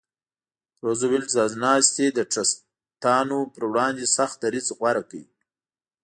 روزولټ ځایناستي د ټرستانو پر وړاندې سخت دریځ غوره کړ.